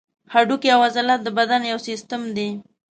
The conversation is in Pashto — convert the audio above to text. هډوکي او عضلات د بدن یو سیستم دی.